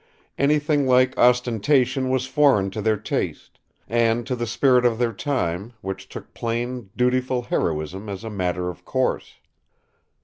Anything like ostentation was foreign to their taste, and to the spirit of their time, which took plain, dutiful heroism as a matter of course.